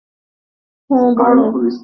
হুম, পড়ো।